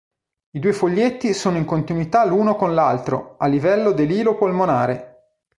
I due foglietti sono in continuità l'uno con l'altro a livello dell'ilo polmonare.